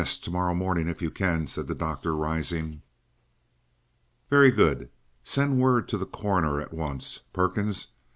Tomorrow morning, if you can," said the doctor, rising. "Very good. Send word to the coroner at once, Perkins.